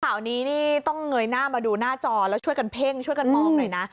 ข่าวนี้นี่ต้องเงยหน้ามาดูหน้าจอแล้วช่วยกันเพ่งช่วยกันมองหน่อยนะ